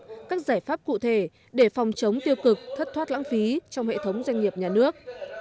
các giải pháp cụ thể để phòng chống tiêu cực thất thoát lãng phí trong hệ thống doanh nghiệp nhà nước